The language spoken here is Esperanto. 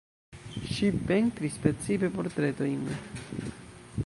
Ŝi pentris precipe portretojn.